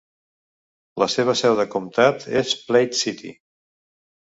La seva seu de comtat és Platte City.